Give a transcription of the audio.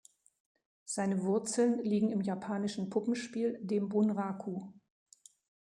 Seine Wurzeln liegen im japanischen Puppenspiel, dem Bunraku.